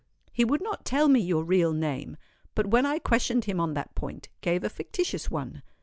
He would not tell me your real name, but when I questioned him on that point, gave a fictitious one.